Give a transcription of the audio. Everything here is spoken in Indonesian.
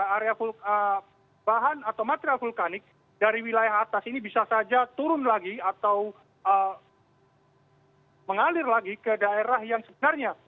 area bahan atau material vulkanik dari wilayah atas ini bisa saja turun lagi atau mengalir lagi ke daerah yang sebenarnya